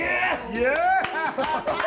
イエーイ！